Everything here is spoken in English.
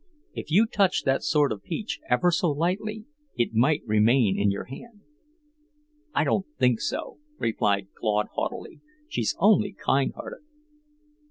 If you touched that sort of peach ever so lightly, it might remain in your hand." "I don't think so," replied Claude haughtily. "She's only kind hearted."